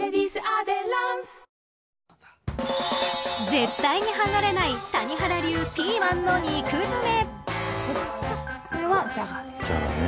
絶対に剥がれない谷原流ピーマンの肉詰め。